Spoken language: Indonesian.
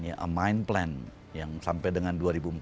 a mind plan yang sampai dengan dua ribu empat puluh satu